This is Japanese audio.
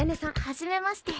はじめまして。